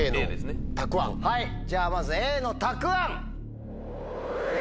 はいじゃあまずＡのたくあん。